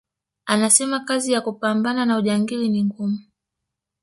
Anasema kazi ya kupambana na ujangili ni ngumu